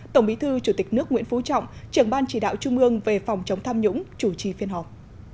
tổng bí thư chủ tịch nước nguyễn phú trọng trưởng ban chỉ đạo trung ương về phòng chống tham nhũng chủ trì phiên họp